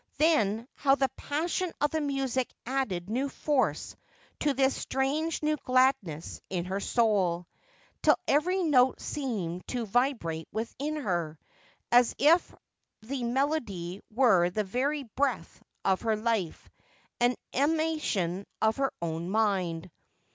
— then how the passion of the music added new force to this strange new gladness in her own soul ! till every note seemed to From Darhni'ss into Lloht. 321 vil irate within her, as if the melody were the very breath of her life — an emanation of her own mind.